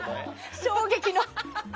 衝撃の。